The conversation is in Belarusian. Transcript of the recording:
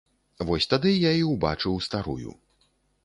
Вось тады я і ўбачыў старую.